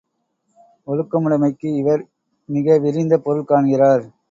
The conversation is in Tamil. ஒழுக்கமுடைமைக்கு இவர் மிக விரிந்த பொருள் காண்கிறார்.